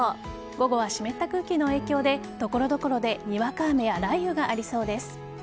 午後は湿った空気の影響で所々でにわか雨や雷雨がありそうです。